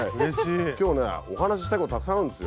今日ねお話ししたいことたくさんあるんですよ。